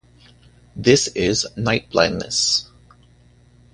This is night-blindness.